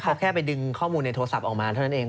เขาแค่ไปดึงข้อมูลในโทรศัพท์ออกมาเท่านั้นเอง